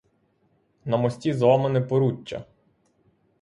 На мості зламане поруччя.